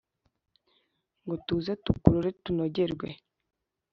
Ngo tuze tukurore tunogerwe